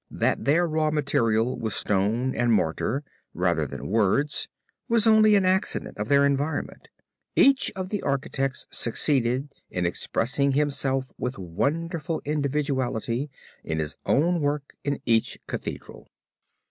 That their raw material was stone and mortar rather than words was only an accident of their environment. Each of the architects succeeded in expressing himself with wonderful individuality in his own work in each Cathedral.